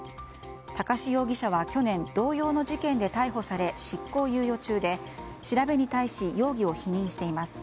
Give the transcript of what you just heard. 高師容疑者は去年同様の事件で逮捕され執行猶予中で調べに対し容疑を否認しています。